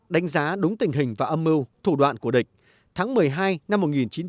đánh giá đúng tình hình và âm mưu thủ đoạn của địch tháng một mươi hai năm một nghìn chín trăm bảy mươi